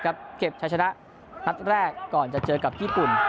ครับเก็บชาญชนะทัพแรกก่อนจะเจอกับญี่ปุ่น